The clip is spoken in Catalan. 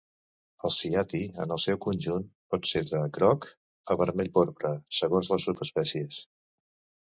El ciati en el seu conjunt pot ser de groc a vermell-porpra, segons les subespècies.